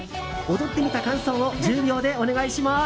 踊ってみた感想を１０秒でお願いします。